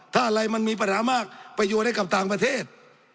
ถ้าอะไรมันมีปัญหามากประโยชน์ให้กับต่างประเทศ